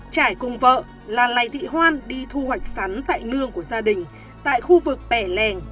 trải cùng vợ là lầy thị hoan đi thu hoạch sắn tại nương của gia đình tại khu vực tẻ lèng